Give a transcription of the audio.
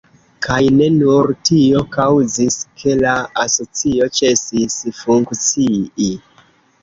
Kaj ne nur tio kaŭzis, ke la asocio ĉesis funkcii.